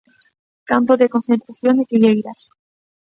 Campo de Concentración de Figueiras.